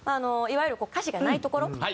いわゆる歌詞がないところ。